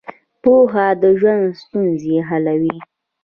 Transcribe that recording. پوهه د ژوند ستونزې حلوي.